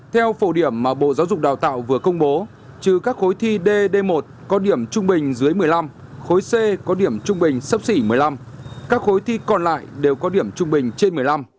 theo phổ điểm mà bộ giáo dục đào tạo vừa công bố chứ các khối thi d một có điểm trung bình dưới một mươi năm khối c có điểm trung bình sấp xỉ một mươi năm các khối thi còn lại đều có điểm trung bình trên một mươi năm